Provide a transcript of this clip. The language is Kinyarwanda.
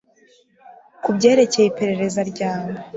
Kubyerekeye iperereza ryawe